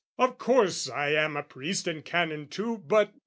"Of course I am a priest and Canon too, "But...